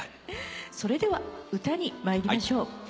それでは歌に参りましょう。